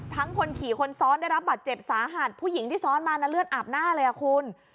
คนขี่คนซ้อนได้รับบัตรเจ็บสาหัสผู้หญิงที่ซ้อนมานะเลือดอาบหน้าเลยอ่ะคุณ